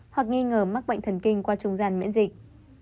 hoặc nghi ngờ mắc bệnh thần kinh qua trung gian miễn dịch